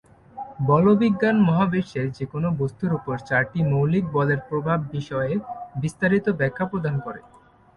বলবিজ্ঞান মহাবিশ্বের যেকোন বস্তুর উপর চারটি মৌলিক বলের প্রভাব বিষয়ে বিস্তারিত ব্যাখ্যা প্রদান করে।